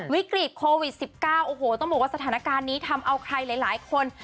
วิกฤตโควิด๑๙โอ้โหต้องบอกว่าสถานการณ์นี้ทำเอาใครหลายคน